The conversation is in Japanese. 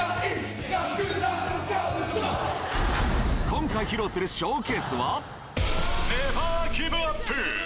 今回、披露するショーケースは、ネバーギブアップ。